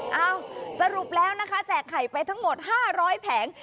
เอ้าสรุปแล้วนะคะแจกไข่ไปทั้งหมด๕๐๐แผง